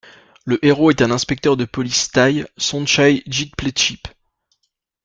Le héros est un inspecteur de police thaï, Sonchai Jitpleecheep.